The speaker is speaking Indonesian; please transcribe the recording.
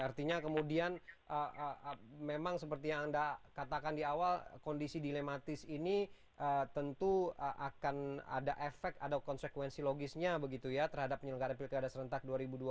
artinya kemudian memang seperti yang anda katakan di awal kondisi dilematis ini tentu akan ada efek ada konsekuensi logisnya begitu ya terhadap penyelenggaraan pilkada serentak dua ribu dua puluh